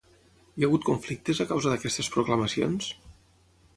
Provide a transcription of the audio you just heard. Hi ha hagut conflictes a causa d'aquestes proclamacions?